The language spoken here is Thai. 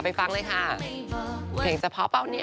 ไปฟังเลยค่ะเพลงจะพอเปล่าเนี่ย